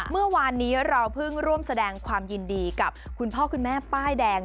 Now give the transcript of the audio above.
เมื่อวานนี้เราเพิ่งร่วมแสดงความยินดีกับคุณพ่อคุณแม่ป้ายแดง